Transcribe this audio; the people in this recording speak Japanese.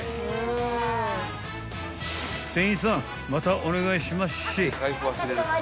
［店員さんまたお願いしまっしぇ］